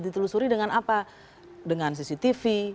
ditelusuri dengan apa dengan cctv